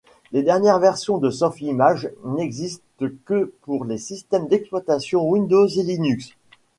Les dernières versions de Softimage n'existent que pour les systèmes d'exploitation Windows et Linux.